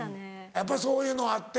やっぱりそういうのあって。